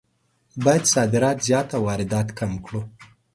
باید صادرات زیات او واردات کم کړو.